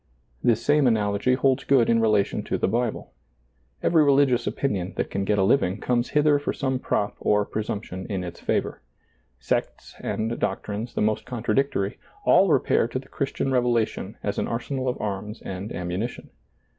This same analogy holds good in relation to the Bible. Every religious opinion that can get a living comes hither for some prop or pre sumption in its favor. Sects and doctrines the most contradictory, all repair to the Christian Revelation as an arsenal of arms and ammuni tion.